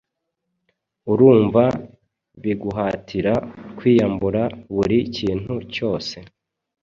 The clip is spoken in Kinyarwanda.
Urumva biguhatira kwiyambura buri kintu cyose